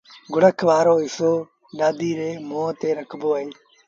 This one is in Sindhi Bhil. گُوڙک وآرو هسو نآديٚ ري مݩهݩ تي رکبو اهي۔